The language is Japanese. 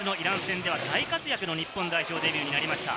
２月のイラン戦では大活躍の日本代表デビューになりました。